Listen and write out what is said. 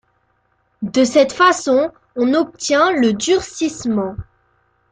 De cette façon, on obtient le durcissement.